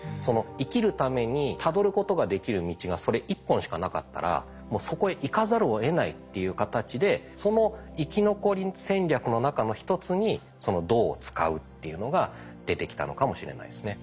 生きるためにたどることができる道がそれ一本しかなかったらもうそこへ行かざるをえないっていう形でその生き残り戦略の中の一つに銅を使うっていうのが出てきたのかもしれないですね。